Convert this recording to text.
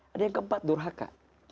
ada yang keempat durhaka